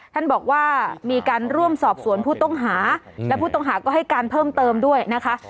ท่านบอกว่ามีการร่วมสอบสวนผู้ต้องหาและผู้ต้องหาก็ให้การเพิ่มเติมด้วยนะคะ